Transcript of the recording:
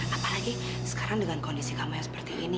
apalagi sekarang dengan kondisi kamu yang seperti ini